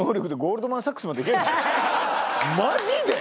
マジで！？